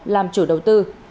làm chủ đầu tư